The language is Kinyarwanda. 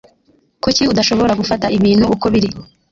Kuki udashobora gufata ibintu uko biri?